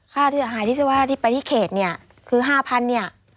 ค่าเสียหายที่จะว่าที่ไปที่เขตเนี่ยคือ๕๐๐เนี่ย